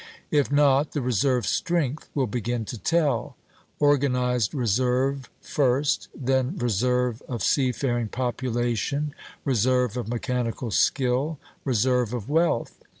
If not, the reserve strength will begin to tell; organized reserve first, then reserve of seafaring population, reserve of mechanical skill, reserve of wealth.